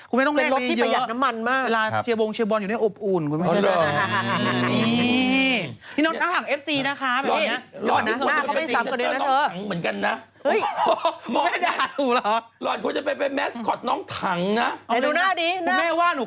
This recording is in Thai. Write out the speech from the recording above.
คุณแม่ว่าหนูเขาปายเพราะทุกวันนี้คนไม่ชอบคุณแม่เยอะกว่าหนู